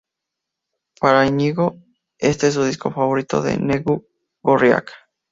Para Iñigo, este es su disco favorito de Negu Gorriak.